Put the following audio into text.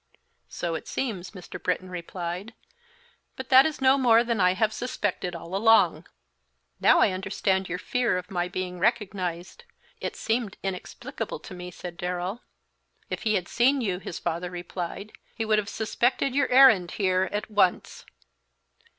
"So it seems," Mr. Britton replied; "but that is no more than I have suspected all along." "Now I understand your fear of my being recognized; it seemed inexplicable to me," said Darrell. "If he had seen you," his father replied, "he would have suspected your errand here at once."